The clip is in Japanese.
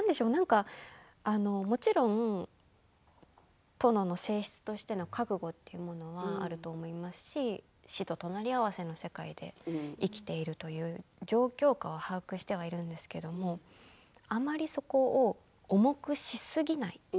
もちろん殿の正室としての覚悟というのはあると思いますし死と隣り合わせの世界で生きているという状況下は把握しているんですけれどもあまり、そこを重くしすぎない。